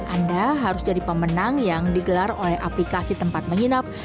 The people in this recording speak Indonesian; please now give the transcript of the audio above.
anda harus jadi pemenang yang digelar oleh aplikasi tempat menginap